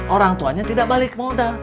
orang tuanya tidak balik modal